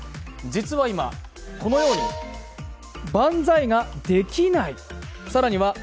実は今、このように万歳ができない更にはは